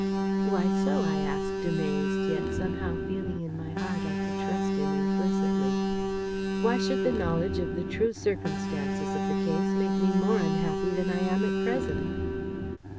"Why so?" I asked, amazed, yet somehow feeling in my heart I could trust him implicitly. "Why should the knowledge of the true circumstances of the case make me more unhappy than I am at present?"